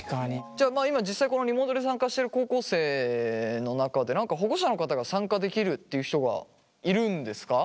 じゃ今実際このリモートで参加してる高校生の中で何か保護者の方が参加できるっていう人がいるんですか？